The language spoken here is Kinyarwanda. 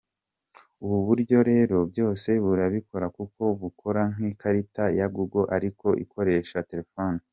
Ubu buryo rero byose burabikora kuko bukora nk’ikarita ya Google ariko ikoresheje telefoni.